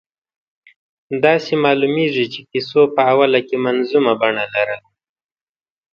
داسې معلومېږي چې کیسو په اوله کې منظومه بڼه لرله.